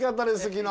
昨日。